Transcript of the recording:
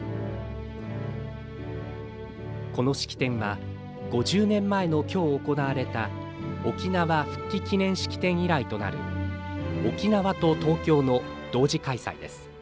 この式典は５０年前の今日行われた「沖縄復帰記念式典」以来となる沖縄と東京の同時開催です。